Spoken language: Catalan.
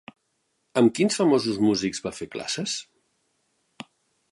Amb quins famosos músics va fer classes?